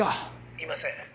いません。